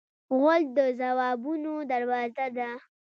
غول د ځوابونو دروازه ده.